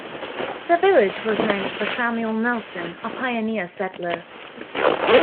The village was named for Samuel Nelson, a pioneer settler.